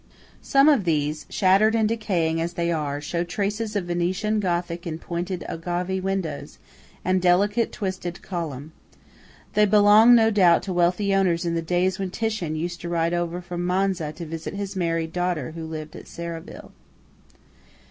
Some of these, shattered and decaying as they are, show traces of Venetian Gothic in pointed ogive window and delicate twisted column. They belonged, no doubt, to wealthy owners in the days when Titian used to ride over from Manza to visit his married daughter who lived at Serravalle.